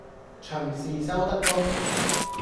隨時收得工